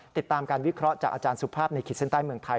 ติดตามการวิเคราะห์จากอาจารย์สุภาพในขีดเส้นใต้เมืองไทย